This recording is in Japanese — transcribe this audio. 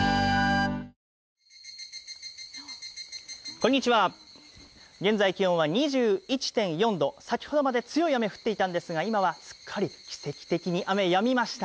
こんにちは、現在気温は２１．４度、先ほどまで強い雨、降っていたんですが今は奇跡的にすっかりやみました。